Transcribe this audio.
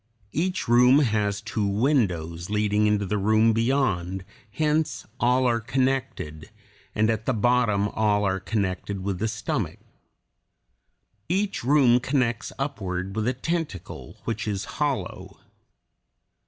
Each room has two windows leading into the room beyond, hence all are connected, and at the bottom all are connected with the stomach. Each room connects upward with a tentacle, which is hollow.